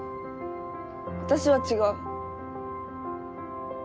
私は違う。